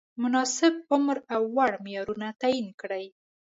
مناسب عمر او وړ معیارونه تعین کړي.